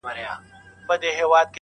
نور به له پالنګ څخه د جنګ خبري نه کوو؛